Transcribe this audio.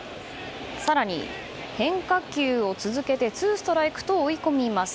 更に、変化球を続けてツーストライクと追い込みます。